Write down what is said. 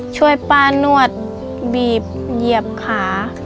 ช่วยป้านวดบีบเหยียบขา